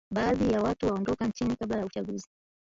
Baadhi ya watu waondoka nchini kabla ya uchaguzi